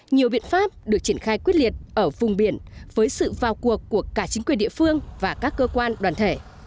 nhiều biện pháp được triển khai quyết liệt ở vùng biển với sự vào cuộc của cả chính quyền địa phương và các cơ quan đoàn thể